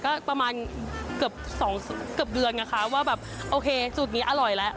ก็ประมาณเกือบสองเกือบเดือนนะคะว่าแบบโอเคสูตรนี้อร่อยแล้ว